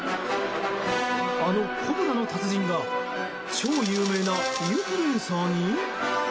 あのコブラの達人が超有名なインフルエンサーに？